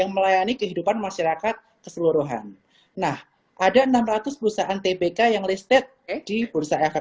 melayani kehidupan masyarakat keseluruhan nah ada enam ratus perusahaan tbk yang lestate di bursa efek